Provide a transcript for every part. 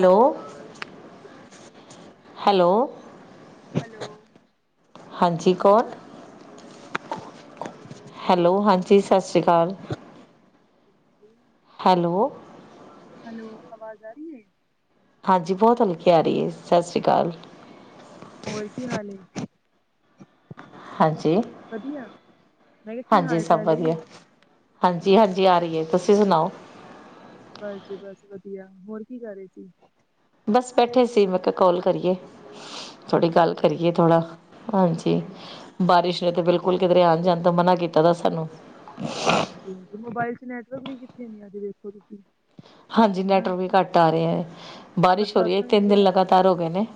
Hello ਸਤਿ ਸ਼੍ਰੀ ਅਕਾਲ ਜੀ, ਹੈਲੋ ਹੈਲੋ। ਹਾਂਜੀ ਕੌਣ? ਹੈਲੋ, ਹਾਂਜੀ ਸਤਿ ਸ਼੍ਰੀ ਅਕਾਲ। ਹੈਲੋ! ਹੈਲੋ, ਆਵਾਜ਼ ਆ ਰਹੀ ਹੈ। ਹਾਂਜੀ, ਬਹੁਤ ਹਲਕੀ ਆ ਰਹੀ ਹੈ, ਸਤਿ ਸ਼੍ਰੀ ਅਕਾਲ। ਹੋਰ ਕੀ ਹਾਲ ਏ ਹਾਂਜੀ ਵਧੀਆ, ਮੈਂ ਕਿਹਾ ਕੀ ਹਾਂਜੀ ਹਾਲ ਸਭ ਚਾਲ ਏ। ਵਧੀਆ ਹਾਂਜੀ ਹਾਂਜੀ, ਆ ਰਹੀ ਹੈ, ਤੁਸੀਂ ਸੁਣਾਓ। ਬਸ ਜੀ ਬਸ ਵਧੀਆ, ਹੋਰ ਕੀ ਕਰ ਰਹੇ ਸੀ। ਬਸ ਬੈਠੇ ਸੀ ਮੈਂ ਕਾਲ ਕਰੀਏ। ਥੋੜੀ ਗੱਲ ਅੱਛਾ ਕਰੀਏ ਜੀ, ਥੋੜਾ, ਹਾਂਜੀ ਹਾਂਜੀ। ਬਾਰਿਸ਼ ਨੇ ਤਾਂ ਬਿਲਕੁਲ ਕੋਈ ਕਿਧਰੇ ਆਣ ਜਾਣ ਤੋ ਮਨਾ ਕੀਤਾ ਦਸ ਸਾਨੂੰ ਹਾਂਜੀ, ਮੋਬਾਇਲ ਚ ਨੈਟਵਰਕ ਵੀ ਕਿੱਥੇ ਨੇ ਅੱਜ ਦੇਖੋ ਤੁਸੀਂ ਹਾਂਜੀ, ਹਨਾ। ਨੈਟਵਰਕ ਵੀ ਘੱਟ ਆ ਰਹੇ ਏ, ਬਾਰਿਸ਼ ਹੋ ਰਹੀ ਐ, ਬਰਸਾਤਾਂ ਤਿੰਨ ਵਿੱਚ ਦਿਨ ਲਗਾਤਾਰ ਹੋ ਗਏ ਨੇ।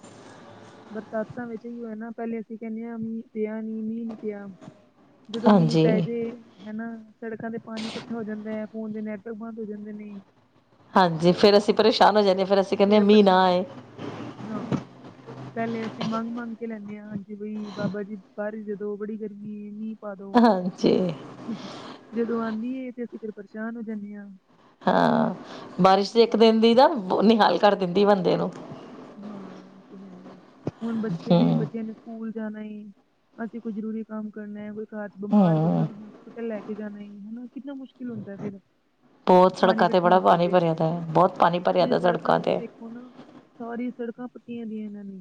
ਬਰਸਾਤਾਂ ਵਿੱਚ ਹੀ ਹੋਇਆ ਨਾ ਪਹਿਲੇ ਅਸੀਂ ਕਹਿੰਦੇ ਹਾਂ ਮੀਂਹ ਪਿਆ ਨੀ, ਮੀਂਹ ਨੀ ਪਿਆ। ਜਦੋਂ ਮੀਂਹ ਹਾਂਜੀ ਪੈ ਜੇ ਹੈਨਾ, ਸੜਕਾਂ ਤੇ ਪਾਣੀ ਇਕੱਠਾ ਹੋ ਜਾਂਦਾ ਐ, ਫੋਨ ਦੇ ਨੈਟਵਰਕ ਬੰਦ ਹੋ ਜਾਂਦੇ ਨੇ। ਹਾਂਜੀ, ਫੇਰ ਅਸੀਂ ਪਰੇਸ਼ਾਨ ਹੋ ਜਾਂਦੇ ਆ ਫੇਰ ਅਸੀਂ ਕਹਿੰਦੇ ਹਾਂ ਮੀਂਹ ਨਾ ਆਏ। [unintelligible] ਪਹਿਲੇ ਅਸੀਂ ਮੰਗ-ਮੰਗ ਕੇ ਲੈਂਦੇ ਆ, ਹਾਂਜੀ ਬਈ ਬਾਬਾ ਜੀ ਬਾਰਿਸ਼ ਦੇ ਦੋ ਬੜੀ ਗਰਮੀ ਏ ਇਹਨੀ। ਪਾ ਦੋ, ਹਾਂਜੀ ਜਦੋਂ ਆਂਦੀ ਏ ਤੇ ਅਸੀਂ ਫੇਰ ਪਰੇਸ਼ਾਨ ਹੋ ਜਾਂਦੇ ਆ। ਹਾਂ, ਬਾਰਿਸ਼ ਦੇ ਇੱਕ ਦਿਨ ਦੀ ਨਾ ਬੋਤ ਨਿਹਾਲ ਕਰ ਦਿੰਦੀ ਬੰਦੇ ਨੂੰ। ਹਾਂ ਇਹ ਤੇ ਹੈ ਹੀ ਐ, ਹੁਣ ਬੱਚੇ ਨੇ ਹੂੰ ਬੱਚਿਆਂ ਨੇ ਸਕੂਲ ਜਾਣਾ ਏ, ਅਸੀਂ ਕੋਈ ਜ਼ਰੂਰੀ ਕੰਮ ਕਰਨਾ ਏ, ਕੋਈ ਘਰ ਬਿਮਾਰ ਬੰਦਾ ਹੂੰ ਨੂੰ ਹੋਸਪਿਟਲ ਲੈ ਕੇ ਜਾਣਾ ਏ ਹਨਾ, ਕਿੰਨਾ ਮੁਸ਼ਕਿਲ ਹੁੰਦਾ ਫਿਰ ਬਹੁਤ ਪਾਣੀ ਸੜਕਾਂ ਤੇ ਇਕੱਠਾ ਬੜਾ ਹੋ ਜਾਏ ਪਾਣੀ ਤੇ ਭਰਿਆ ਦਾ, ਬਹੁਤ ਪਾਣੀ ਭਰਿਆ ਦਾ, ਸੜਕਾਂ ਤੇ ਹੁਣ ਸਾਰੀ ਸੜਕਾਂ ਪੱਟੀਆ ਦੀਆਂ ਇਹਨਾਂ ਨੇ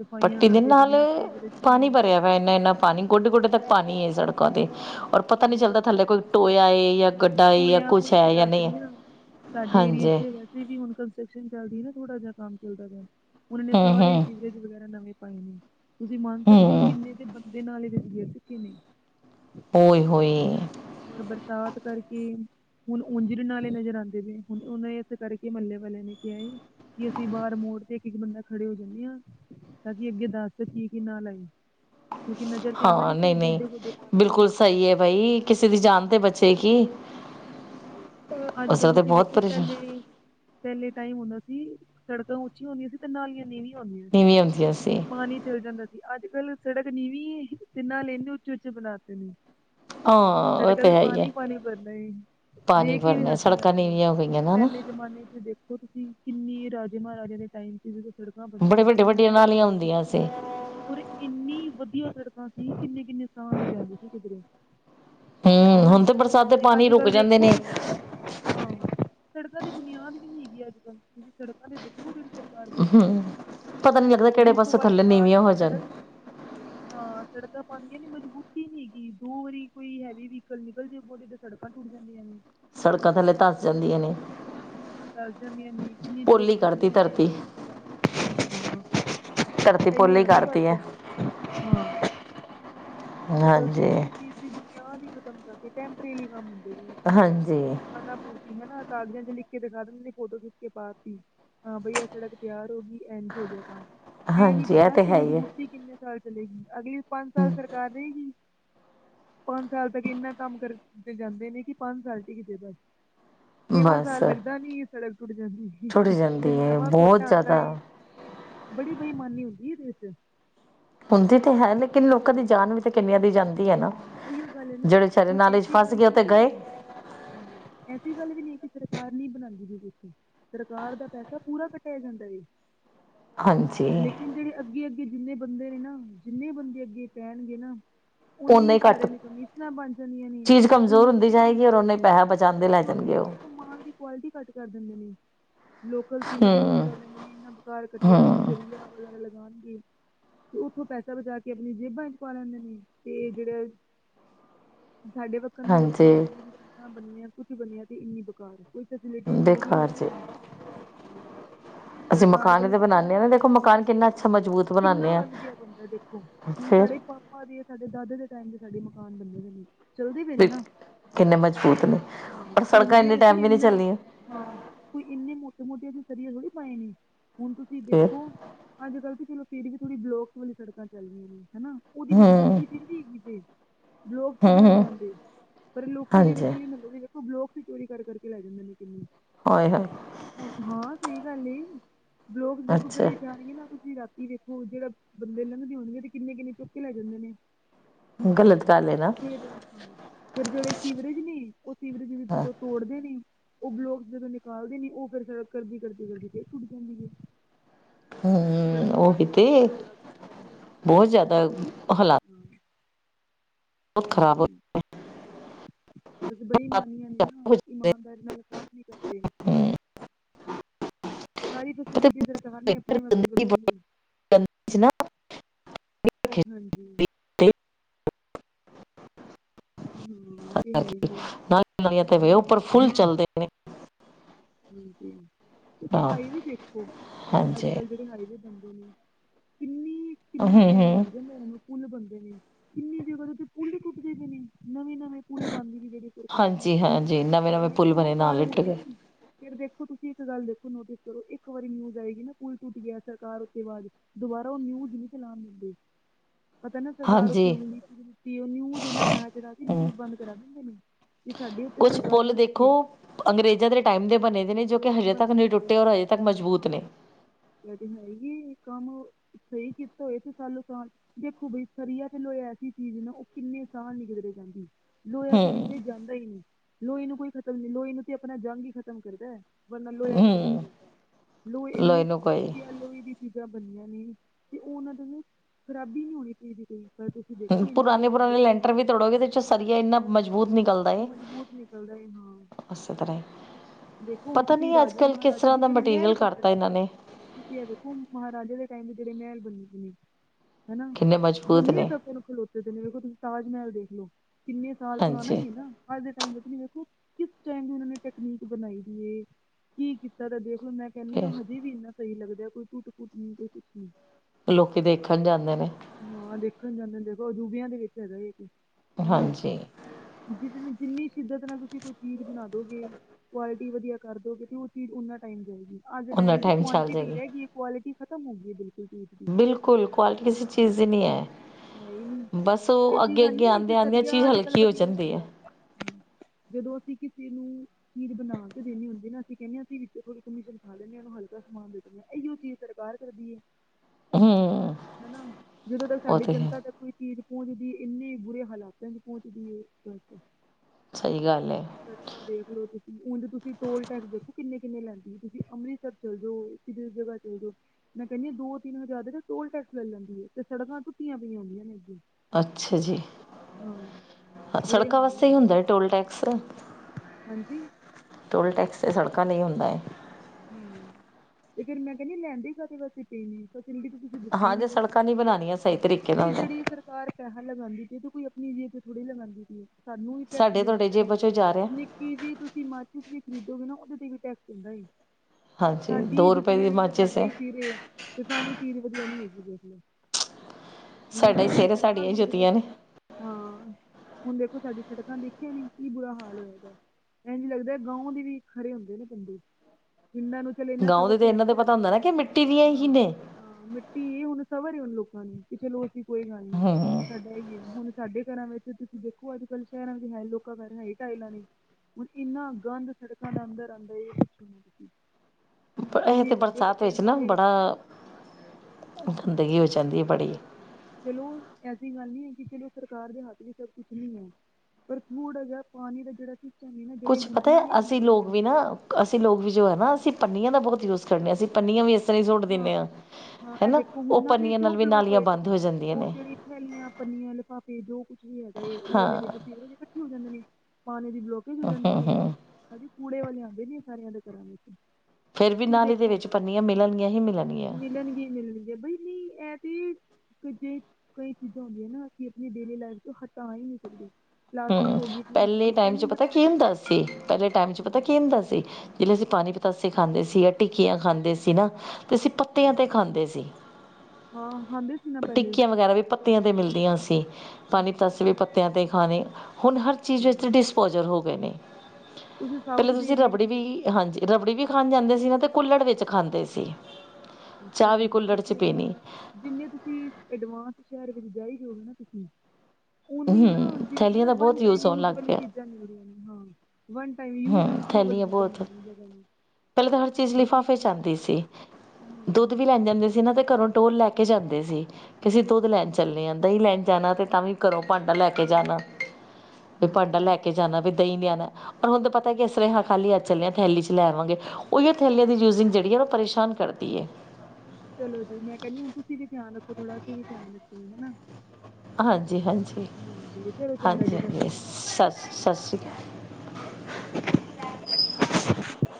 ਸਫਾਈਆਂ ਕਰਦੇ ਪਏ ਨੇ, ਸੀਰੇ ਵੀ ਇੰਨਾ-ਇੰਨਾ ਪਾਣੀ ਗੋਡੇ-ਗੋਡੇ ਤੱਕ ਪਾਣੀ ਐ ਸੜਕਾਂ ਤੇ ਔਰ ਪਤਾ ਨੀ ਹਾਂ ਚੱਲਦਾ ਥੱਲੇ ਕੋਈ ਟੋਇਆ ਏ ਜਾਂ ਗੱਡਾ ਏ ਜਾਂ ਟੋਇਆ ਕੁਛ ਉਹੀ ਹੈ ਜਾਂ ਦੱਸ ਨਹੀਂ ਰਹੀ ਆ, ਸਾਡੇ ਹਾਂਜੀ ਏਰੀਏ ਤੇ ਇਥੇ ਵੀ ਹੁਣ ਕੰਸਟਰਕਸ਼ਨ ਚੱਲਦੀ ਨਾ ਥੋੜਾ ਜਿਹਾ ਕੰਮ ਚੱਲਦਾ ਪਿਆ, ਓਹਨਾ ਨੇ ਹੂੰ ਸਾਰੇ ਹੂੰ ਰਿਸੀਵਰ ਵਗੈਰਾ ਨਵੇਂ ਪਾਏ ਨੇ, ਤੁਸੀਂ ਮੰਨ ਸਕਦੇ ਹੋ ਹੂੰ ਕਿੰਨੇ ਦੇ ਬੰ ਦੇ ਨਾਲੇ ਵਿੱਚ ਗਿਰ ਚੁੱਕੇ ਨੇ। ਓਏ ਹੋਏ। ਹੋਰ ਬਰਸਾਤ ਕਰਕੇ। ਕਿ ਹੁਣ ਉਂਝ ਨੀ ਨਾਲੇ ਨਜ਼ਰ ਆਦੇ ਪਏ, ਹੁਣ ਉਹਨ ਇਸ ਕਰਕੇ ਮਹੱਲੇ ਵਾਲੇ ਨੇ ਕਿਹਾ ਏ ਕਿ ਅਸੀਂ ਬਾਹਰ ਮੋੜ ਤੇ ਇੱਕ-ਇੱਕ ਬੰਦਾ ਖੜੇ ਹੋ ਜਾਂਦੇ ਆ। ਤਾਂ ਕਿ ਅੱਗੇ ਦੱਸ ਸਕੀਏ ਕੀ ਨਾਲਾ ਏ। ਕਿਉਂਕਿ ਨਜ਼ਰ ਤੇ ਆਂਦਾ ਹਾਂ ਨੀ ਪਿਆ, ਨਹੀਂ ਨਹੀਂ ਗੋਡੇ-ਗੋਡੇ ਪਾਣੀ ਏ। ਬਿਲਕੁਲ ਸਹੀ ਏ ਬਾਈ ਕਿਸੇ ਦੀ ਜਾਣ ਤੇ ਬਚੇਗੀ। ਹਾਂਜੀ, ਉਸ ਅੱਜ-ਕੱਲ ਤਰ੍ਹਾਂ ਤੇ ਤੁਸੀਂ ਬਹੁਤ ਵੇਖੋ ਪਰੇਸ਼ਾਨ ਪਹਿਲੇ ਪਹਿਲੇ ਟਾਈਮ ਹੁੰਦਾ ਸੀ ਸੜਕਾਂ ਉੱਚੀਆਂ ਹੁੰਦੀਆਂ ਸੀ ਤੇ ਨਾਲੀਆਂ ਨੀਵੀਆਂ ਵੀਆ ਹੁੰਦੀਆਂ ਸੀ, ਨੀਵੀਆਂ ਸੀ ਪਾਣੀ ਚਲ ਜਾਂਦਾ ਅੱਜ ਕੱਲ ਸੜਕ ਨੀਵੀਂ ਏ ਤੇ ਨਾਲੇ ਐਨੇ ਉੱਚੇ-ਉੱਚੇ ਬਣਾਤੇ ਨੇ ਹਾਂ ਉਹ ਸੜਕਾਂ ਤੇ ਹੈ ਹੀ ਹੈ ਪਾਣੀ-ਪਾਣੀ ਭਰਨਾ ਏ ਪਾਣੀ ਦੇ ਕੇ ਵੀ ਭਰਨਾ ਹਸੀ ਸੜਕਾਂ ਆਂਦੀ ਏ, ਨੀਵੀਆਂ ਹੋ ਗਈਆਂ ਨਾ ਨਾ ਪਹਿਲੇ ਜਮਾਨੇ ਚ ਦੇਖੋ ਤੁਸੀਂ ਕਿੰਨੀ ਰਾਜੇ ਮਹਾਰਾਜਿਆਂ ਦੇ ਟਾਈਮ ਤੇ। ਬੜੇ ਵੱਡੇ ਵੱਡੀਆਂ ਨਾਲੀਆਂ ਹੁੰਦੀਆਂ ਸੀ। ਔਰ ਇੰਨੀ ਵਧੀਆ ਸੜਕਾਂ ਸੀ, ਕਿੰਨੇ-ਕਿੰਨੇ ਸਾਲ ਨੀ ਜਾਂਦੀ ਸੀ ਕਿਧਰੇ। ਤੇ ਹਨਾ ਹੁਣ ਤੇ ਬਰਸਾਤ ਪਾਣੀ ਰੁਕ ਜਾਂਦੇ ਨੇ। ਹਾਂਜੀ, ਸੜਕਾਂ ਦੀ ਬੁਨਿਆਦ ਵੀ ਨੀ ਹੈਗੀ ਆ, ਅੱਜ ਕੱਲ ਤੁਸੀਂ ਸੜਕਾਂ ਦੇ ਦੇਖੋ ਜਿਹੜੀ ਹਮ ਪਤਾ ਨੀ ਲੱਗਦਾ ਕਿਹੜੇ ਲੁੱਕ ਪਾਸੇ ਵਾਲੀ ਥੱਲੇ ਪਾਸ ਨੀਵੀਆਂ ਹੋ ਜਾਣ ਸੜਕ ਨਾ ਸੜਕਾਂ ਪਾਂਦੀਆਂ ਨੀ ਮਜਬੂਤੀ ਨੀ ਰਹੇਗੀ, ਦੋ ਵਾਰੀ ਕੋਈ ਹੈਵੀ ਵਹੀਕਲ ਨਿਕਲ ਜਾਏ ਉਤੋਂ ਦੀ ਸੜਕਾਂ ਟੁਟ [unintelligible] ਸੜਕਾਂ ਥੱਲੇ ਧੱਸ ਜਾਂਦੀਆਂ ਨੇ ਹਾਂ ਤਸ ਜਾਂਦੀਆਂ ਨੇ, ਕਿੰਨੀ ਜਗ੍ਹਾ ਤੋਂ ਪੋਲੀ ਪਸੀਆਂ ਕਰਤੀ ਹੁੰਦੀਆਂ ਧਰਤੀ ਕਈ ਇਹੀ ਧਰਤੀ ਹੋ ਪੋਲੀ ਨਾ ਕਰਤੀ ਬਸ ਹੈ ਹਾਂ ਅੱਜ-ਕੱਲ ਦੀ ਹਾਂਜੀ ਕਿਸੇ ਚੀਜ਼ ਦੀ ਬੁਨਿਆਦ ਈ ਖਤਮ ਕਰਕੇ, ਟੈਂਪਰੇਰੀ ਕੰਮ ਹੁੰਦਾ ਸਾਰੇ ਹਾਂਜੀ ਖਾਨਾ ਪੂਰਤੀ ਹੈਨਾ, ਕਾਗਜ਼ਾਂ ਚ ਲਿਖ ਕੇ ਦਿਖਾਨਾਂ ਦੀ, ਫੋਟੋ ਖਿੱਚ ਕੇ ਪਾਤੀ ਹਾਂ ਬਈ ਇਹ ਸੜਕ ਤਿਆਰ ਹੋ ਗਈ ਇੰਝ ਹੋ ਗਿਆ ਕੰਮ, ਐ ਨੀ ਹਾਂਜੀ ਇਹ ਪਤਾ ਤੇ ਕਿ ਹੈ ਹੀ ਹੈ ਮਜਬੂਤੀ ਕਿੰਨੇ ਸਾਲ ਚਲੇਗੀ ਅਗਲੀ ਪੰਜ ਸਾਲ ਸਰਕਾਰ ਰਹੇਗੀ ਪੰਜ ਸਾਲ ਤੱਕ ਇੰਨਾ ਕੰਮ ਕਰ ਜਾਂਦੇ ਨੇ, ਕਿ ਪੰਜ ਸਾਲ ਤੇ ਕਿਤੇ ਦਾਸ ਛੇਵਾਂ ਬਸ ਸਾਲ ਲੱਗਦਾ ਨੀ ਸੜਕ ਟੁੱਟ ਜਾਂਦੀ ਛੁੱਟ ਫਿਰ ਜਾਂਦੀ ਹੈ ਨਵਾਂ ਬਹੁਤ ਕੋਟਾ ਆਉਂਦਾ ਜ਼ਿਆਦਾ ਈ ਬੜੀ ਬੇਈਮਾਨੀ ਹੁੰਦੀ, ਇਹਦੇ ਵਿੱਚ ਹੁੰਦੀ ਤੇ ਹੈ ਲੇ ਕਿੰਨੇ ਲੋਕਾਂ ਦੀ ਹਮ, ਜਾਨ ਵੀ ਤੇ ਕਿੰਨੀਆਂ ਦੀ ਜਾਂਦੀ ਹੈ ਨਾ, ਹਾਂ ਉਹੀਓ ਗੱਲ ਹੈ ਨਾ ਜਿਹੜੇ ਵਿਚਾਰੇ ਹੁਣ ਨਾਲੇ ਚ ਐਸੀ ਫਸ ਗੱਲ ਗਏ ਉਹ ਤੇ ਨਹੀਂ ਗਏ ਹੈ ਹਾਂ ਐਸੀ ਗੱਲ ਵੀ ਨਹੀ, ਕਿ ਸਰਕਾਰ ਨਹੀਂ ਬਣਾਉਂਦੀ ਪਈ ਕੁਛ ਸਰਕਾਰ ਦਾ ਪੈਸਾ ਪੂਰਾ ਕਟਿਆ ਜਾਂਦਾ ਏ ਹਾਂਜੀ ਲੇਕਿਨ ਜਿਹੜੇ ਅੱਗੇ ਅੱਗੇ ਜਿੰਨੇ ਬੰਦੇ ਨੇ ਨਾ ਜਿੰਨੇ ਬੰਦੇ ਅੱਗੇ ਪੈਣਗੇ ਨਾ ਓਨਾ ਉੱਨੀ ਹੀ ਘੱਟ ਸਾਰਿਆ ਦੀ ਕਮਿਸ਼ਨਾਂ ਬਣ ਜਾਂਦੀਆਂ ਨੇ ਚੀਜ਼ ਕਮਜ਼ੋਰ ਉਨੀ ਹੁੰਦੀ ਜਿਹੜੀ ਜਾਏਗੀ ਔਰ ਓਨਾ ਹੀ ਪੈਸਾ ਬਚਾਉਂਦੇ ਲੈ ਜਾਣਗੇ ਕਿਉਕਿ ਉਹ ਮਾਲ ਦੀ ਕੁਆਲਿਟੀ ਘੱਟ ਕਰ ਦਿੰਦੇ ਨੇ। ਲੋਕਲ ਸੀਮਟ ਯੂਜ ਹੂੰ ਕਰ ਲੈਂਦੇ ਨੇ ਇੰਨਾ ਬੇਕਾਰ ਕੱਟਿਆ ਹੂੰ ਜ਼ਰੀਆ ਵਗੈਰਾ ਲਗਾਉਣਗੇ ਤੇ ਉੱਥੋਂ, ਪੈਸਾ ਬਚਾ ਕੇ ਆਪਣੀ ਜੇਬਾਂ ਚ ਪਾ ਲੈਂਦੇ ਨੇ ਤੇ, ਜਿਹੜੇ ਸਾਡੇ ਵਕਨ ਦੀ ਹਾਂਜੀ ਲੋਕਾਂ ਵਾਸਤੇ ਮਤਲਬ ਜਿਹੜ ਬਨਿਆ ਕੁੱ ਬੰਨਿਆ ਤੇ ਇੰਨੀ ਬੇਕਾਰ, ਕੋਈ ਫੈਸਿਲਿਟੀ ਮਿਲਦੀ ਬੇਕਾਰ ਜੀ ਨੀ ਅਸੀਂ ਸਰਕਾਰ ਮਕਾਨ ਵੱਲੋਂ ਤੇ ਬਣਾਉਂਦੇ ਹਾਂ ਸਾਰਾ ਨਾ ਹ ਦੇਖੋ ਮਕਾਨ ਕਿੰਨਾ ਅੱਛਾ ਮਜ਼ਬੂਤ ਬਣਾਉਂਦੇ ਕਿੰਨਾ ਹਾਂ ਵਧਿਆ ਬੰਦਾ ਦੇਖੋ ਹੁਣ ਫਿਰ ਸਾਡੇ ਪਾਪਾ ਦੇ, ਸਾਡੇ ਦਾਦੇ ਦੇ, ਟਾਈਮ ਦੇ ਸਾਡੇ ਮਕਾਨ ਬੰਨੇ ਦੇ ਨੇ ਚਲਦੇ ਪੇ ਨੇ ਵੀ ਨਾ ਕਿੰਨੇ ਮਜ਼ਬੂਤ ਨੇ ਪਰ ਹਾਂ, ਤੇ ਸੜਕਾਂ ਇੰਨੇ ਹਜੇ ਟਾਈਮ ਅਸੀਂ ਵੀ ਨਹੀਂ ਇਨਾ ਚੱਲੀਆਂ ਹਾਂ ਕੋਈ ਇੰਨੇ ਮੋਟੇ ਮੋਟੇ ਅਸੀ ਸਰੀਏ ਥੋੜ੍ਹੇ ਪਾਏ ਨੇ, ਹੁਣ ਤੁਸੀਂ ਫਿਰ ਦੇਖੋ ਅੱਜ ਕੱਲ੍ਹ ਤੇ ਚਲੋ ਫਿਰ ਵੀ ਥੋੜੀ ਬਲੋਕ ਵਾਲੀ ਸੜਕਾਂ ਚੱਲ ਦਿਆਂ ਨੇ ਹਨਾ ਉਹਦੀ ਹੂੰ ਮਜ਼ਬੂਤੀ ਫਿਰ ਵੀ ਹੈਗੀ ਜੇ ਬਲੋਕ ਹੂੰ ਚਲੇ ਹੂੰ ਜਾਂਦੇ, ਪਰ ਲੋਕੀ ਜਿਹੜੇ ਹਾਂਜੀ ਗਲੀ ਮਹੱਲੇ ਦ ਉਹ ਬਲੋਕ ਚੋਰੀ ਕਰ ਕਰਕੇ ਲੈ ਜਾਂਦੇ ਨੇ ਕਿੰਨੇ ਆਯੇ ਹਾਏ ਹੁਣ ਹਾਂ ਸਹੀ ਗੱਲ ਹੈ, ਬਲੋਕ ਦੇਖੋ ਅੱਛਾ ਗਲੀ ਚ ਆਉਣਗੇ, ਨਾ ਤੁਸੀਂ ਰਾ ਰਾਤੀ ਦੇਖੋ ਜਿਹੜੇ ਬੰਦੇ ਲੰਘਦੇ ਹੋਣਗੇ ਤੇ, ਕਿੰਨੇ -ਕਿੰਨੇ ਚੁੱਕ ਕੇ ਲੈ ਜਾਂਦੇ ਨੇ ਗਲਤ ਗੱਲ ਹੈ ਨਾ ਫਿਰ ਹਾਂ ਫਿਰ ਜਿਹੜੇ ਸੀਵਰੇਜ ਨੇ, ਉਹ ਸੀਵਰੇਜ ਹਾਂ ਜਦੋਂ ਤੋੜਦੇ ਨੇ- ਉਹ ਬਲੋਕਸ ਜਦੋਂ ਨਿਕਾਲਦੇ ਨੇ ਉਹ ਫਿਰ ਕਰਦੀ ਕਰਦੀ, ਕਰਦੀ ਫਿਰ ਟੁੱਟ ਜਾਂਦੀ ਹੈ। ਹਮ ਸੜਕਾਂ ਦਾ ਉਹੀ ਤੇ ਹਾਲ ਬੜਾ ਬੁਰਾ ਕਰਤਾ ਬਹੁਤ ਜ਼ਿਆਦਾ ਹਾਲਾਤ ਹਾਂ ਬਹੁਤ ਖਰਾਬ ਹੋ ਹਾਂਜੀ ਇੱਥੇ ਬਈਮਾਨੀਆਂ ਨੇ, ਨਾ ਇਮਾਨਦਾਰੀ ਨਾਲ ਕੰਮ ਨੀ ਕਰਦੇ ਸਾਰੀ ਫੈਸਿਲਿਟੀ ਸਰਕਾਰ ਨੇ ਆਪਣੀ ਵਾਸਤੇ ਗੰਦਗੀ ਬੜੀ ਬਣਾਈ ਹੋਈ। ਗੰਦੀ ਸੀ ਨਾ ਹਾਂਜੀ ਖਿਚੜੀ ਤੇ ਹਮ, ਹਮ ਕਰਕੇ ਨਾਲੀਆਂ ਨਾਲੀਆਂ ਤੇ ਵ ਉੱਪਰ ਫੁੱਲ ਚੱਲਦੇ ਨੇ ਹਾਂਜੀ ਤੁਸੀਂ ਹਾਂ ਹਾਈਵੇ ਦੇਖੋ, ਅੱਜ ਹਾਂਜੀ ਕੱਲ ਜਿਹੜੇ ਹਾਈਵੇ ਬੰਦੇ ਨੂੰ ਕਿੰਨੀ, ਕਿੰਨਾ ਹੂੰ ਟਾਈਮ ਹੂੰ ਲੱਗ ਜਾਂਦਾ ਇਹਨਾਂ ਨੂੰ ਪੁਲ ਬਣਦੇ ਨੇ ਕਿੰਨੀ ਜਗ੍ਹਾ ਦੇ, ਪੁੱਲ ਟੁੱਟਦੇ ਪਏ ਨੇ ਨਵੇਂ- ਨਵੇਂ ਪੁੱਲ ਪਾਣਦੇ ਨੇ ਜਿਹੜੇ ਸਰਕਾਰ ਹਾਂਜੀ ਹਾਂਜੀ ਨਵੇਂ ਨਵੇਂ ਹੈ ਪੁਲ ਦੋ ਬਣੇ ਸਾਲ ਨਾਲ ਇੱਟ ਹੋਏ ਦੇ ਨੇ ਫਿਰ ਦੇਖੋ ਤੁਸੀਂ ਇੱਕ ਗੱਲ ਦੇਖੋ ਨੋਟਿਸ ਕਰੋ ਇੱਕ ਵਾਰੀ ਨਿਊਜ ਆਏਗੀ ਨਾ ਪੁੂਲ ਟੁੱਟ ਗਿਆ ਸਰਕਾਰ ਉੇਸ ਤੇ ਬਾਅਦ। ਦੁਬਾਰਾ ਉਹ ਨਿਊਜ਼ ਨਹੀਂ ਚਲਾਉਣ ਦਿੰਦੇ। ਹ ਪਤਾ ਨਾ ਸਰਕਾਰ ਉੱਥ ਉਂਗਲੀ ਚ ਦਿੱਤੀ, ਨਿਊਜ਼ ਇਨਾ ਪੈਸਾ ਦੇਣਾ ਹੂੰ ਨਿਊਜ਼ ਬੰਦ ਕਰਾ ਦਿੰਦੀ ਹੈ। ਤੇ ਸਾਡੇ ਉੱਤੇ ਕੁਛ ਕੋਈ ਗੱਲ ਪੁਲ ਨਾ ਚੁੱਕੇ। ਦੇਖੋ ਅੰਗਰੇਜ਼ਾਂ ਦੇ ਟਾਈਮ ਦੇ ਬਣੇ ਦੇ ਨੇ ਜੋ ਕਿ ਹਜੇ ਤੱਕ ਬਣੇ ਦੇ ਨਹੀਂ ਟੁੱਟੇ ਔਰ ਹਜੇ ਤੱਕ ਮਜ਼ਬੂਤ ਨੇ। ਇਹ ਤੇ ਹੈ ਜੀ ਕੰਮ ਸਹੀ ਕੀਤਾ ਹੋਏ ਤੇ, ਸਾਲੋ ਸਾਲ। ਦੇਖੋ ਬਈ ਸਰੀਆ ਤੇ ਲੋਹਾ ਐਸੀ ਚੀਜ਼ ਨਾ ਉਹ ਕਿੰਨੇ ਸਾਲ ਕਿਧਰੇ ਨੀ ਜਾਂਦੀ। ਲੋਇਆ ਤੇ ਹੂੰ ਕਿਧਰੇ ਜਾਂਦਾ ਹੀ ਨੀ ਲੋਹੇ ਨੂੰ ਕੋਈ ਖਤਮ ਨੀ ਲੋਹੇ ਨੂੰ ਤੇ ਆਪਣਾ ਜੰਗ ਹੀ ਖਤਮ ਕਰਦਾ। ਬੰਦਾ ਲੋਏ ਕਿਧਰ ਨੀ ਹੂੰ ਜਾਂਦਾ ਲੋਹੇ ਲੋਏ ਇੰਨੀ ਨੂੰ ਕੋਈ ਵਧੀਆ ਲੋਹੇ ਦੀ। ਚੀਜ਼ਾਂ ਬਣਨੀਆਂ ਨੇ ਤੇ, ਉਹਨਾਂ ਦੇ ਖਰਾਬੀ ਨੀ ਹੋਣੀ ਚਾਹੀਦੀ। ਤੇ ਫਿਰ ਤੁਸੀਂ ਦੇਖੋ ਇੰਨਾ ਪੁਰਾਣੇ ਬੁਰਾ ਹਾਲ ਪੁਰਾਣੇ ਹੋ ਲੈਂਟਰ ਜਾਂਦਾ। ਵੀ ਤੋੜੋਗੇ ਤੇ ਸਰੀਆ ਇੰਨਾ ਮਜ਼ਬੂਤ ਨੀ, ਮਜ਼ਬੂਤ ਨਿਕਲਦਾ ਏ ਹਾਂ। ਉਸੇ ਤਰ੍ਹਾਂ ਹੀ, ਦੇਖੋ ਹੁਣ ਪਤਾ ਤੁਸੀਂ ਨਹੀਂ ਅੱਜ ਰਾਜੇ ਕੱਲ੍ਹ ਕਿਸ ਮਹਾਰਾਜਾ ਤਰ੍ਹਾਂ ਦੇ ਦਾ ਜਿਹੜੇ ਮਹਿਲ ਮਟੀਰੀਅਲ ਬਣੇ ਕਰਤਾ ਦੇ ਇਹਨਾਂ ਨੇ? ਤੁਸੀਂ ਐ ਦੇਖੋ ਮਹਾਰਾਜੇ ਦੇ ਟਾਈਮ ਦੇ ਜਿਹੜੇ ਮਹਿਲ ਬਣੇ ਦੇ ਨੇ। ਹੈ ਨਾ, ਕਿੰਨੇ ਮਜ਼ਬੂਤ ਹਾਲੇ ਨੇ ਤਕ ਓਹਨੂੰ ਖਲੋਤੇ। ਤੇ ਤੈਨੂੰ ਵੇਖੋ ਤੁਸੀਂ ਤਾਜ ਮਹਿਲ ਦੇਖ ਲੋ, ਕਿੰਨੇ ਸਾਲ ਪੁਰਾਣਾ ਹਾਂਜੀ ਈ ਐ ਨਾ ਅੱਜ ਦੇ ਟਾਈਮ ਵਿੱਚ ਵੇਖੋ, ਕਿਸ ਟਾਈਮ ਦੀ ਉਹਨਾ ਨੇ ਟੈਕਨੀਕ ਬਣਾਈ ਦੀ ਏ ਕੀ ਕੀਤਾ ਤਾਂ ਦੇਖਲੋ, ਮੈਂ ਕਹਿਣੀ ਆ ਫਿਰ ਹਜੇ ਵੀ ਇਨਾ ਸਹੀ ਲੱਗਦਾ, ਕੋਈ ਟੁੱਟ ਪੁੁੱਟ ਨਹੀਂ ਕੋਈ ਕੁੱਛ ਨੀ ਲੋਕੀ ਦੇਖਣ ਜਾਂਦੇ ਨੇ। ਹਾਂ, ਦੇਖਣ ਜਾਂਦੇ ਦੇਖੋ ਅਜੂਬਿਆਂ ਦੇ ਵਿੱਚ ਹੁੰਦੀ ਇਹ ਚੀਜ਼ ਹੈਨਾ। ਹਾਂਜੀ ਜਿ ਜਿੰਨੀ ਸ਼ਿੱਦਤ ਨਾਲ ਤੁਸੀਂ ਕੋਈ ਚੀਜ਼ ਬਣਾ ਦੋਗੇ। ਕੁਆਲਿਟੀ ਵਧੀਆ ਕਰ ਦੋਗੇ ਤੇ, ਉਹ ਚੀਜ਼ ਉਹਨਾ ਟਾਈਮ ਰਹੇਗੀ ਅੱਜ ਟਾਈਮ ਉਹਨਾਂ ਵਿੱਚ ਚੱਲ ਕੁਆਂਟਿਟੀ ਜਾਏਗੀ ਰਹਿ ਗਈ। ਕੁਆਲਿਟੀ ਖਤਮ ਹੋ ਗਈ ਐ, ਬਿਲਕੁਲ ਚੀਜ ਦੀ। ਬਿਲਕੁਲ ਕੁਆਲਿਟੀ ਕਿਸੇ ਹਾਂ ਚੀਜ਼ ਦੀ ਨੀ ਐ। ਹੈ ਹੀ ਨਹੀਂ ਬਸ ਉਹ ਐਸੀ ਅੱਗੇ ਗੱਲ ਅੱਗੇ ਨਹੀਂ ਹੈ ਕਿ ਆਂਦਿਆਂ ਆਂਦੀਆਂ ਸਰੀਆ ਚੀਜ਼ ਅੱਜ ਕੱਲ੍ਹ ਹਲਕੀ ਹੋ ਵਧੀਆ ਨਹੀਂ ਜਾਂਦੀ ਆਉਂਦਾ ਹੈ। ਜਦੋਂ ਅਸੀਂ ਕਿਸੇ ਨੂੰ। ਚੀਜ ਬਣਾ ਕੇ ਦੇਣੀ ਹੁੰਦੀ ਨਾ ਅਸੀਂ ਕਹਿੰਦੇ ਆ ਅਸੀਂ ਵਿੱਚ ਥੋੜੀ ਕਮਿਸ਼ਨ ਖਾ ਲੈਣੇ ਆ ਇਹਨੂੰ ਹਲਕਾ ਸਮਾਨ ਦਿੰਦੇ ਇਹੀਓ ਚੀਜ਼। ਸਰਕਾਰ ਕਰਦੀ ਐ। ਹੂੰ। ਹੈਨਾ, ਜਦੋਂ ਤੱਕ ਸਾਡੀ ਜਨਤਾ ਤੱਕ ਕੋਈ। ਚੀਚ ਪਹੁੰਚਦੀ, ਇੰਨੇ ਬੁਰੇ ਹਾਲਾਤਾਂ ਚ ਪਹੁੰਚਦੀ ਐ। ਸਹੀ ਗੱਲ ਐ। ਫਿਰ ਤਾਂ, ਦੇਖਲੋ ਤੁਸੀਂ ਉਂਜ ਤੁਸੀਂ ਟੋਲ ਟੈਕਸ ਦੇਖੋ ਕਿੰਨੇ ਕਿੰਨੇ ਲੈਂਦੀ ਤੁਸੀਂ ਅੰਮ੍ਰਿਤਸਰ ਚੱਲ ਜਾਓ ਕਿ ਜਗ੍ਹਾ ਚੱਲ ਜਾਓ। ਮੈਂ ਕਹਿੰਦੀ ਆ ਦੋ ਤਿੰਨ ਹਜ਼ਾਰ ਦੇ ਤੇ ਟੋਲ ਟੈਕਸ ਲੈ ਲੈਂਦੀ ਹੈ, ਤੇ ਸੜਕਾਂ ਟੁੱਟਿਆ ਪਈਆਂ ਹੁੰਦੀਆਂ ਨੇ। ਅੱਛਾ ਜੀ, ਹਾਂ ਬੁਰੇ ਸੜਕਾਂ ਹਾਲ ਵਾਸਤੇ ਹੀ ਨੇ ਹੁੰਦਾ ਟੋਲ ਟੈਕਸ। ਹਾਂਜੀ। ਟੋਲ ਟੈਕਸ 'ਤੇ ਸੜਕਾਂ ਲਈ ਹੁੰਦਾ। ਹੂੰ, ਤੇ ਫੇਰ ਮੈਂ ਕਹਿੰਦੀ ਲੈਂਦੇ ਕਦੇ ਵਾਸਤੇ ਪੇ ਨੇ। ਹਾਂ ਜੇ, ਸੜਕਾਂ ਨੀ ਬਣਾਣੀਆਂ ਸਹੀ ਤਰੀਕੇ ਨਾਲ ਤੇ। ਸਰਕਾਰ ਪੈਸਾ ਲਗਾਦੀ ਪਈ, ਕੋਈ ਆਪਣੀ ਜੇਬ ਥੋੜ੍ਹੀ ਲਗਾਂਦੀ। ਸਾਨੂੰ ਵੀ ਤੇ ਟੈਕਸ ਸਾਡੇ ਦੇਣੀ ਤੁਹਾਡੇ ਜੇਬਾਂ ਪੈਣਗੇ 'ਚੋਂ ਜਾ ਰਿਹਾ ਨਿ, ਕਿ ਜੇ ਤੁਸੀਂ ਮਾਚਿਸ ਖਰੀਦੋਗੇ ਨਾ ਉਹਦੇ ਤੇ ਵੀ ਟੈਕਸ ਹੁੰਦਾ ਹੈ। ਹਾਂਜੀ ਸਾਡੀ ਹੀ ਦੋ ਰੁਪਏ ਜੁੱਤੀਆਂ ਦੀ ਨੇ ਤੇ, ਮਾਚਿਸ ਸਾਡਾ ਹੈ ਹੀ ਸਿਰੇ ਐ ਤੇ, ਤਾਂ ਵੀ ਚੀਜ਼ ਵਧੀਆ ਨੀ ਹੈਗੀ ਦੇਖ ਲਓ। ਹੁਣ ਸਾਡਾ ਹੀ ਅਸੀਂ ਸਿਰ ਹੈ ਸੜਕਾ ਸਾਡੀਆਂ ਹੀ ਦੇਖਦੇ। ਜੁੱਤੀਆਂ ਨੇ ਹਾਂ, ਹੁਣ ਦੇਖੋ ਸਾਡੀ ਸੜਕਾਂ ਦੇਖੀਆਂ ਨੀ ਕੀ ਬੁਰਾ ਹਾਲ ਹੋਇਆ ਦਾ। ਇੰਜ ਲੱਗਦਾ ਗਾਓ ਦੇ ਵੀ ਖਰੇ ਹੁੰਦੇ ਨੇ ਪਿੰਡ [inaudible] ਇੰਨਾਂ ਨੂੰ ਚਲੇ ਇਨਾ ਗਾਉਂ ਦੇ ਸਬਰ ਤਾਂ ਤੇ ਹੈ ਨਾ ਇਹਨਾਂ ਦਾ ਫਿਰ ਪਤਾ ਸਾਡੇ ਹੁੰਦਾ ਨਾ ਕਿ ਮਿੱਟੀ ਦੀਆਂ ਹੀ ਹਾਂ ਨੇ ਹਾਂ, ਮਿੱਟੀ ਇਹ ਹੁਣ ਸਬਰ ਹੁਣ ਲੋਕਾਂ ਨੂੰ ਵੀ ਚਲੋ ਅਸੀਂ ਕੋਈ ਗੱਲ ਨੀ ਹਮ ਸਾਡਾ ਇਹ ਹੈ ਹੁਣ ਸਾਡੇ ਘਰਾਂ ਵਿੱਚ ਤੁਸੀਂ ਦੇਖੋ ਅੱਜ ਕੱਲ੍ਹ ਸ਼ਹਿਰਾਂ ਦੇ ਹੈ ਲੋਕਾਂ ਕਰ ਹੈ ਟਾਇਲਾਂ ਨੇ ਹੁਣ ਇੰਨਾ ਗੰਦ ਸੜਕਾਂ ਦਾ ਅੰਦਰ ਆਂਦਾ। ਬਰਸਾਤ ਵਿੱਚ ਨਾ ਨਾਲੇ ਬੜੀ ਗੰਦਗੀ ਹੋ ਜਾਂਦੀ ਬੜੀ ਚਲੋ ਐਸੀ ਗੱਲ ਨੀ ਹੈਗੀ ਕਿ ਚਲੋ ਸਰਕਾਰ ਦੇ ਹੱਥ ਵੀ ਸਭ ਕੁਛ ਨਹੀਂ ਹੈ। ਪਰ ਫੂਡ ਹੈਗਾ ਪਾਣੀ ਦਾ ਜਿਹੜਾ ਕਿ ਕੁਛ ਪਤਾ ਐ ਅਸੀਂ ਲੋਕ ਵੀ ਨਾ ਅਸੀਂ ਲੋਕ ਵੀ ਜੋ ਹੈ ਨਾ ਅਸੀਂ ਪੰਨੀਆਂ ਦਾ ਬਹੁਤ ਯੂਜ ਅਸੀਂ ਪੰਨੀਆਂ ਵੀ ਇਸ ਤਰਾਂ ਹੀ ਸੁੱਟ ਦਿੰਦੇ ਹਾਂ। ਹਾਂ ਇਹ ਹਨਾ ਦੇਖੋ ਉਹ ਹੁਣ ਨਾਂਲਿਈ ਪੰਨੀਆਂ ਨਾਲ ਕਿਉਂ ਵੀ ਬਲੋਕ ਨਾਲੀਆਂ ਹੋਏ ਸੀ ਬੰਦ ਨੇ, ਹੋ ਜਾਂਦੀਆਂ ਉਹ ਨੇ ਜਿਹੜੀ ਥੈਲੀਆਂ, ਪੰਨੀਆਂ, ਲਿਫਾਫੇ਼। ਤੇ ਜੋ ਕੁੱਝ ਵੀ ਹੈਗਾ ਏ, ਉਹਦੇ ਹਾਂ ਵਿੱਚ ਸ਼ ਹੋ ਜਾਂਦੇ ਨੇ ਪਾਣੀ ਦੀ ਬਲੋਕੇਜ ਹੋ ਹਮ ਜਾਂਦੀ ਹੈ। ਹਮ ਹਜੇ ਕੂੜੇ ਵਾਲੇ ਆਂਦੇ ਨ ਸਾਰਿਆਂ ਦੇ ਘਰਾਂ ਵਿੱਚ। ਫੇਰ ਵੀ ਨਾਲੇ ਦੇ ਵਿੱਚ ਪੰਨੀਆਂ, ਮਿਲਣਗੀਆਂ ਹੀ ਮਿਲਣ ਮਿਲਣਗੀਆਂ ਹੀ ਮਿਲਣਗੀਆਂ ਬਈ ਨਹੀਂ ਇਹ ਤੇ ਕਦੇ ਕਈ ਚੀਜ਼ਾਂ ਹੁੰਦੀਆਂ ਨਾ, ਅਸੀਂ ਆਪਣੀ ਡੇਲੀ ਲਾ਼ਈਫ ਤੋਂ ਹਟਾ ਹੀ ਨਹੀਂ ਸਕਦੇ਼। ਹੂੰ, ਪਹਿਲੇ ਟਾਈਮ ਚ ਪਤਾ ਹਟਾ ਕੀ ਹੁੰਦਾ ਸਕਦੇ ਅਸੀਂ ਸੀ। ਜਿਹੜੇ ਹਾਂਜੀ ਅਸੀਂ ਪਾਣੀ ਪਤਾਸੇ, ਖਾਂਦੇ ਸੀ ਜਾਂ ਟਿੱਕੀਆਂ ਖਾਂਦੇ ਸੀ ਨਾ ਤੇ ਅਸੀਂ ਪੱਤਿਆਂ ਤੇ ਹਾਂਜੀ ਖਾਂਦੇ ਸੀ। ਹਾਂ ਖਾਂਦੇ ਸੀ ਨਾ ਪਹਿਲੇ ਟਿੱਕੀਆਂ ਵਗੈਰਾ ਵੀ। ਪੱਤੇਆਂ ਤੇ ਮਿਲਦੀਆਂ ਸੀ, ਪਾਣੀਤਾਸ ਹਮ ਵੀ ਪੱਤਿਆਂ ਤੇ ਖਾਣੇ, ਹੁਣ ਹਰ ਚੀਜ਼ ਵਿੱਚ ਡਿਸਪੋਜ਼ਲ। ਹਮ ਡਿਸਪੋਜ਼ਲ ਹੋ ਗਏ ਨੇ, ਤੁਸੀਂ ਸਾਊਥ ਪਹਿਲਾਂ ਦੇ ਤੁਸੀਂ ਏਰੀਏ ਰਬੜੀ ਵਿੱਚ ਵੀ। ਹਾਂਜੀ, ਰਬੜੀ ਵੀ ਖਾਣ ਜਾਂਦੇ ਸੀ ਨਾ ਤੇ ਕੁੱਲੜ ਵਿੱਚ ਖਾਂਦੇ ਸੀ। ਦੇਖੋ ਅੱਛਾ ਚਾਹ ਵੀ ਜੀ ਕੁਲੜ ਚ ਅਸੀਂ ਪੀਣੀ। ਜਿੰਨੇ ਤੁਸੀਂ ਅਡਵਾਂਸ ਸ਼ਹਿਰ ਵਿੱਚ ਜਾਏ ਜਾਓਗੇ ਨਾ ਤੁਸੀਂ ਉਨੀ ਨਾ ਹੂੰ ਮਤਲਬ ਕੀ ਥੈਲੀਆਂ ਨ ਦਾ ਵਨ ਬਹੁਤ ਟਾਈਮ ਹੋਣ ਯੂਜ ਲੱਗ ਵਾਲੀ ਜਿ- ਗਿਆ ਚੀਜ਼ਾਂ ਮਿਲਦੀਆਂ ਨੇ ਹਾਂ, ਵਨ ਟਾਈਮ ਯੂਂਸ਼ ਹੂੰ ਐਂਡ ਥਰੋ ਵਾਲੀਆਂ ਥੈਲੀਆਂ ਚੀਜ਼ਾਂ ਬਹੁਤ ਮਿਲਦੀਆਂ। ਪਹਿਲਾਂ ਤਾਂ ਹਰ ਚੀਜ਼ ਬਾਕੀ ਲਿਫਾਫੇ ਹੋਰ ਵਿਚ ਆਉਂਦੀ ਸੀ। ਹਾਂ ਦੁੱਧ ਵੀ ਲੈਣ ਜਾਂਦੇ ਸੀ ਨਾ, ਤੇ ਘਰੋਂ ਢੋਲ ਲੈ ਕੇ ਜਾਂਦੇ ਸੀ ਕਿ, ਅਸੀਂ ਦੁੱਧ ਲੈਣ ਹਾਂਜੀ ਚੱਲੇ ਹਾ। ਦਹੀ ਲੈਣ ਜਾਣਾ ਤੇ, ਤਾਂ ਵੀ ਘਰੋ ਭਾਂਡਾ ਲੈ ਕੇ ਜਾਣਾ। ਤੇ ਭਾਂਡਾ ਹਾਂਜੀ ਲੈ ਕੇ ਜਾਣਾ ਵੀ ਦਹੀਂ ਨ ਲੇਆਣਾ ਪਰ ਹੁਣ ਤਾਂ ਪਤਾ ਕਿ, ਇਸ ਤਰਹਾਂ ਖਾਲੀ ਹਥ ਚਲੇ ਥੈਲੀ ਚ ਲੈਵਾਂਗੇ। ਉਹੀ ਥੈਲੀਆਂ ਦੀ ਯੂਜਿੰਗ ਜਿਹੜੀ ਹੈ ਨਾ, ਉਹ ਪਰੇਸ਼ਾਨ ਕਰਦੀ ਹੈ। ਚਲੋ ਜੀ, ਮੈਂ ਕਹਿੰਦੀ ਹੁਣ ਤੁਸੀਂ ਵੀ ਧਿਆਨ ਰੱਖੋ ਥੋੜਾ, ਅਸੀਂ ਵੀ ਧਿਆਨ ਰੱਖੀਏ ਹਨਾ। ਹਾਂਜੀ- ਹਾਂਜੀ। ਹਾਂਜੀ, ਚਲੋ ਚੰਗਾ ਹਾਂਜੀ ਕਿਤਾ ਹਾਂਜੀ ਦੱਸ। ਸਤਿ ਸ਼੍ਰੀ ਅਕਾਲ। [unintelligible]